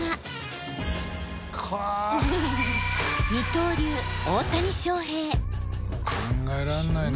二刀流考えらんないな。